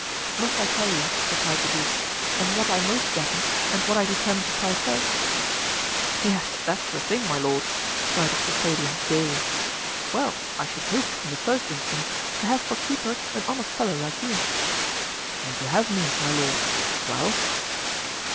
"Must I tell you," replied the duke, "on what I most reckon and what I determine to try first?" "Yes, that's the thing, my lord!" cried his custodian, gaily. "Well, I should hope, in the first instance, to have for keeper an honest fellow like you." "And you have me, my lord. Well?"